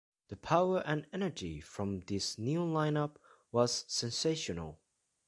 The power and energy from this new lineup was sensational.